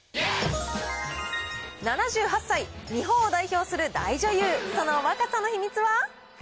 ７８歳、日本を代表する大女優、その若さの秘密は？